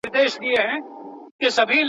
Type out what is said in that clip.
ما مي په اورغوي کي د فال نښي وژلي دي.